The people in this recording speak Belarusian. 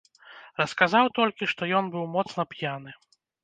Расказаў толькі, што ён быў моцна п'яны.